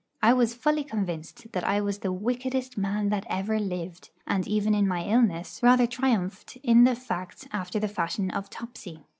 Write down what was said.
I was fully convinced that I was the wickedest man that ever lived, and even in my illness rather triumphed in the fact after the fashion of Topsy.